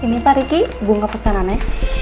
ini pak ricky bunga pesanannya